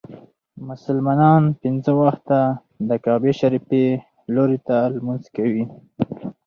مسلمانان پنځه وخته د کعبې شريفي لوري ته لمونځ کوي.